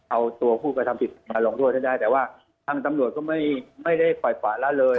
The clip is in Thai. เอาตัวผู้กระทำตรีมารองโทษได้แต่ว่าทางตำรวจก็ไม่ได้ปล่อยฝากแล้วเลย